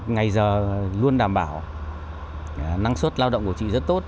ngày giờ luôn đảm bảo năng suất lao động của chị rất tốt